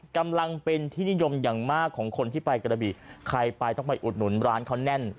กำลังเป็นที่นิยมอย่างมากของคนที่ไปกระบีใครไปต้องไปอุดหนุนร้านเขาแน่น